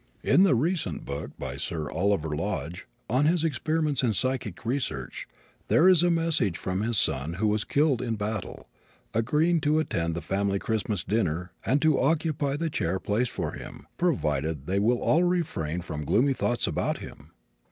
In the recent book[I] by Sir Oliver Lodge, on his experiments in psychic research, there is a message from his son, who was killed in battle, agreeing to attend the family Christmas dinner and to occupy the chair placed for him, provided they will all refrain from gloomy thoughts about him!